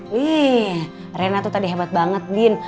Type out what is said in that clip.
wih rena tuh tadi hebat banget bin